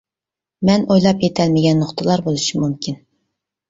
مەن ئويلاپ يېتەلمىگەن نۇقتىلار بولۇشى مۇمكىن.